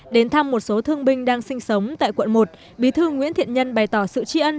đến thăm một số thương binh đang sinh sống tại quận một bí thư nguyễn thiện nhân bày tỏ sự tri ân